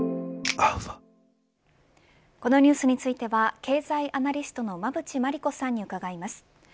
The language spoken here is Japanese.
このニュースについては経済アナリストの馬渕磨理子さんに伺います。